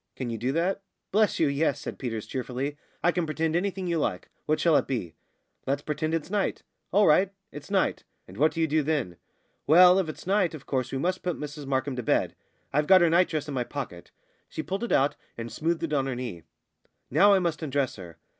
Can you do that?" "Bless you, yes!" said Peters, cheerfully. "I can pretend anything you like. What shall it be?" "Let's pretend it's night." "All right. It's night. And what do you do then?" "Well, if it's night, of course we must put Mrs Markham to bed. I've got her nightdress in my pocket." She pulled it out and smoothed it on her knee. "Now, I must undress her."